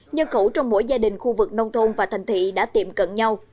nhân khẩu trong mỗi gia đình khu vực nông thôn và thành thị đã tiệm cận nhau